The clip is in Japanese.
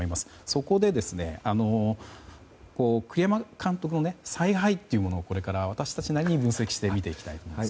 そこで、栗山監督の采配というものをこれから私たちなりに分析して見ていこうと思います。